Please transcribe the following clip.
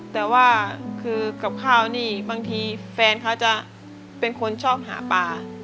แต่ว่าคือกับข้าวนี่บางทีแฟนเขาจะเป็นคนชอบหาปลา